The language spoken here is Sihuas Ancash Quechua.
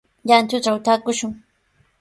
Llantutraw taakushun.